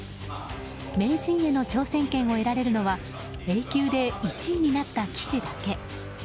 名人への挑戦権を得られるのはＡ級で１位になった棋士だけ。